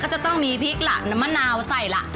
จะต้องมีพริกล่ะน้ำมะนาวใส่ล่ะ